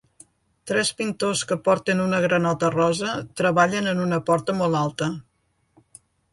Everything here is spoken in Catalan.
Tres pintors que porten una granota rosa treballen en una porta molt alta.